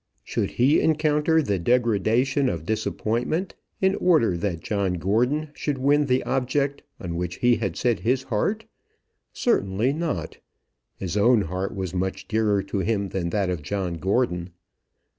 Should he encounter the degradation of disappointment, in order that John Gordon should win the object on which he had set his heart? Certainly not. His own heart was much dearer to him than that of John Gordon.